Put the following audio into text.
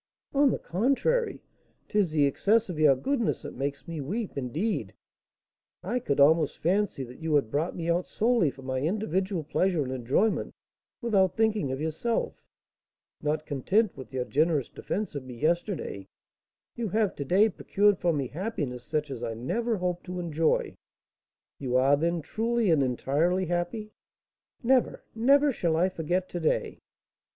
"On the contrary, 'tis the excess of your goodness that makes me weep; indeed, I could almost fancy that you had brought me out solely for my individual pleasure and enjoyment, without thinking of yourself. Not content with your generous defence of me yesterday, you have to day procured for me happiness such as I never hoped to enjoy." "You are, then, truly and entirely happy?" "Never, never shall I forget to day."